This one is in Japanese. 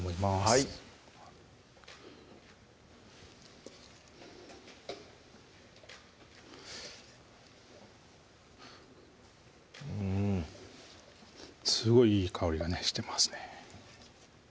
はいうんすごいいい香りがねしてますね